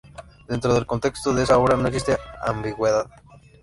Dentro del contexto de esa obra no existe ambigüedad.